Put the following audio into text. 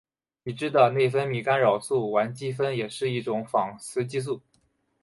已知的内分泌干扰素烷基酚也是一种仿雌激素。